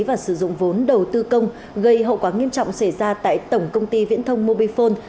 và sử dụng vốn đầu tư công gây hậu quả nghiêm trọng xảy ra tại tổng công ty viễn thông mobifone